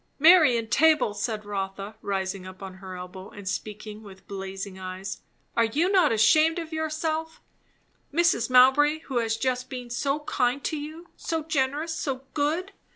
"Mary Entable!" said Rotha, rising up on her elbow and speaking with blazing eyes; "are you not ashamed of yourself? Mrs. Mowbray, who has just been so kind to you! so generous! so good!